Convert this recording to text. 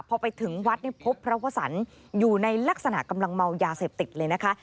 พอไปถึงวัดพบพระวสันอยู่ในลักษณะกำลังเมายาเสพติดเลยนะคะ